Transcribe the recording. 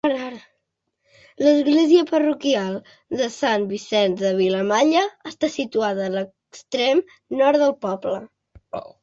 L'església parroquial de Sant Vicenç de Vilamalla està situada a l'extrem nord del poble.